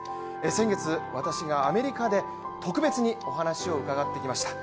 先月、私がアメリカで特別にお話を伺ってきました。